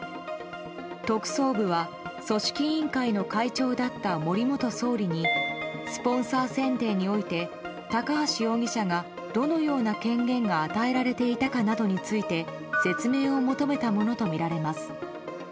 特捜部は組織委員会の会長だった森元総理にスポンサー選定において高橋容疑者がどのような権限が与えられていたのかなどについて説明を求めたものとみられます。